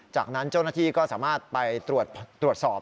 จากนั้นเจ้าหน้าที่ก็สามารถไปตรวจสอบ